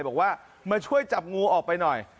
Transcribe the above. บอกว่ามาช่วยจับงูออกไปหน่อย